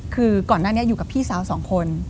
คือก่อนหน้านี้อยู่กับพี่สาวสองคน